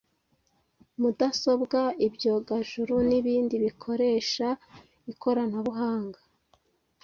mudasobwa, ibyogajuru n’ibindi bikoresha ikoranabuhanga.